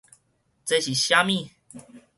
這是啥物